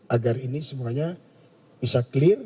agar ini semuanya bisa clear